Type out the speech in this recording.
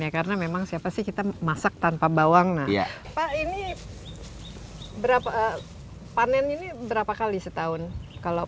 karena memang siapa sih kita masak tanpa bawang pak ini berapa panen ini berapa kali setahun kalau